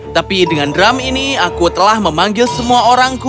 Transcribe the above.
tapi dengan drum ini aku telah memanggil semua orangku